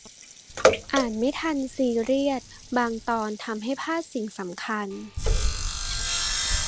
อ่านไม่ทัน ซีเรียส บางตอนทำให้พลาดสิ่งสำคัญ